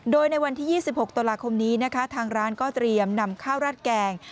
โดยในวันที่๒๖ตุลาคมนี้นะคะทางร้านก็เตรียมนำข้าวราดแกง